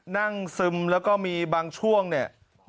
ซึมแล้วก็มีบางช่วงเนี่ย